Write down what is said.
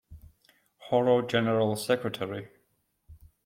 Horo general secretary.